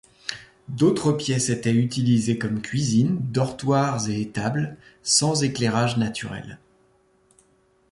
D'autres pièces étaient utilisées comme cuisines, dortoirs et étables, sans éclairage naturel.